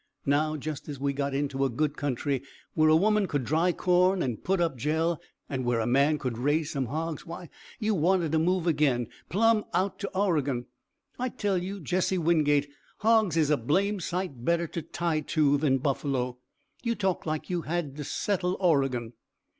Now just as we got into a good country, where a woman could dry corn and put up jell, and where a man could raise some hogs, why, you wanted to move again plumb out to Oregon! I tell you, Jesse Wingate, hogs is a blame sight better to tie to than buffalo! You talk like you had to settle Oregon!"